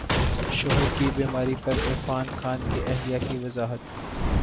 شوہر کی بیماری پر عرفان خان کی اہلیہ کی وضاحت